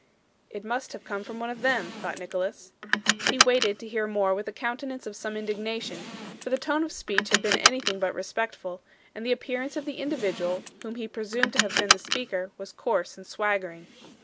'It must have come from one of them,' thought Nicholas. He waited to hear more with a countenance of some indignation, for the tone of speech had been anything but respectful, and the appearance of the individual whom he presumed to have been the speaker was coarse and swaggering.